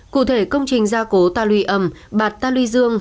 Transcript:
cụ thể công trình gia cố ta luy âm bạt ta luy dương